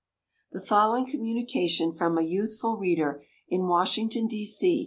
The following communication from a youthful reader in Washington, D. C.